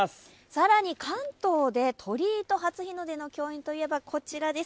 更に関東で鳥居と初日の出の共演といえばこちらです。